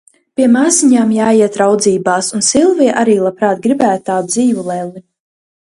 Pie māsīciņām jāiet raudzībās, un Silvija arī labprāt gribētu tādu dzīvu lelli.